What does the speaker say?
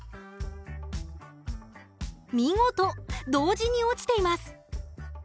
見事同時に落ちています。